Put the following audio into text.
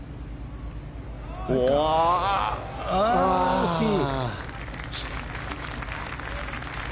惜しい。